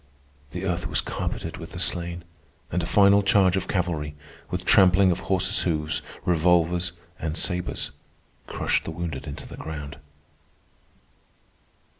The earth was carpeted with the slain, and a final charge of cavalry, with trampling of horses' hoofs, revolvers, and sabres, crushed the wounded into the ground.